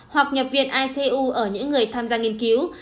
hoặc nhập viện icu ở những người tham gia nghiên cứu